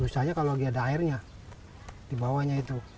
susahnya kalau lagi ada airnya di bawahnya itu